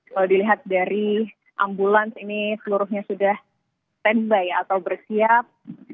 kalau dilihat dari ambulans ini seluruhnya sudah standby atau bersiap